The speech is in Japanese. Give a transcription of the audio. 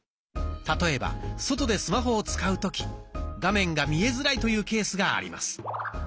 例えば外でスマホを使う時画面が見えづらいというケースがあります。